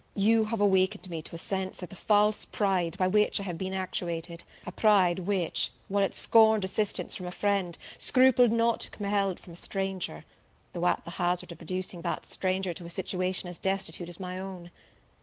You have awakened me to a sense of the false pride by which I have been actuated; a pride which, while it scorned assistance from a friend, scrupled not to compel it from a stranger, though at the hazard of reducing that stranger to a situation as destitute as my own.